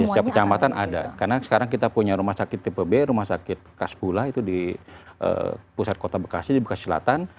setiap kecamatan ada karena sekarang kita punya rumah sakit tipe b rumah sakit kaspula itu di pusat kota bekasi di bekasi selatan